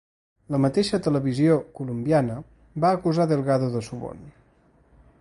La mateixa televisió colombiana va acusar Delgado de suborn.